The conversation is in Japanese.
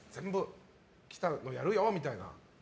来たのやるよみたいな？